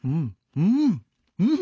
うん！